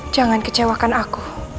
jangan kecewakan aku